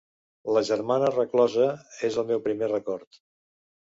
La germana reclosa és el meu primer record.